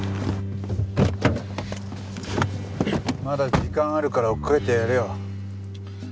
まだ時間あるから追っかけてやれよ。